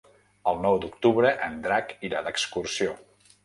El nou d'octubre en Drac irà d'excursió.